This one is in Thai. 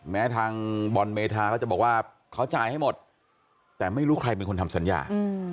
แม้ทางบอลเมธาเขาจะบอกว่าเขาจ่ายให้หมดแต่ไม่รู้ใครเป็นคนทำสัญญา